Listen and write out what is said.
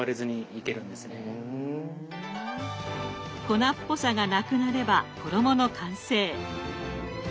粉っぽさがなくなれば衣の完成。